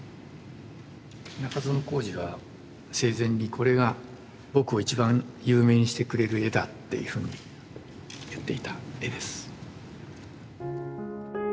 中園孔二は生前にこれが僕を一番有名にしてくれる絵だっていうふうに言っていた絵です。